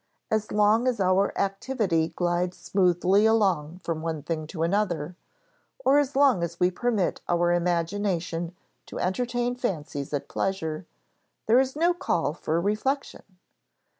As long as our activity glides smoothly along from one thing to another, or as long as we permit our imagination to entertain fancies at pleasure, there is no call for reflection.